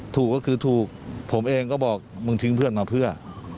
ถูกก็คือถูกผมเองก็บอกมึงทิ้งเพื่อนมาเพื่อ